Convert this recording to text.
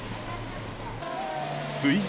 水上